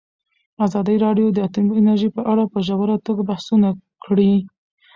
ازادي راډیو د اټومي انرژي په اړه په ژوره توګه بحثونه کړي.